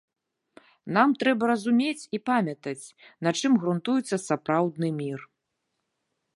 Нам трэба разумець і памятаць, на чым грунтуецца сапраўдны мір.